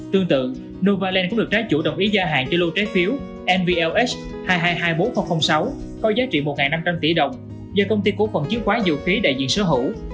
tương tự novaland cũng được trái chủ đồng ý gia hạn cho lô trái phiếu nvlh hai triệu hai trăm hai mươi bốn nghìn sáu có giá trị một năm trăm linh tỷ đồng do công ty cổ phần chiến khoán dầu khí đại diện sở hữu